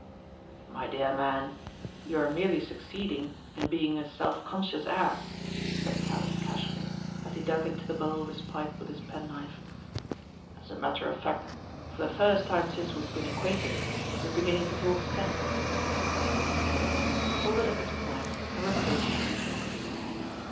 "My dear man, you are merely succeeding in bemg a self<onscious ass," said Tallis casually, as he dug mto the bowl of his pipe with his penknife. As a matter of fact, for the first tune since we've been acquainted, you're beginning to talk sense." He paused, folded up his knife and replaced it in his pocket.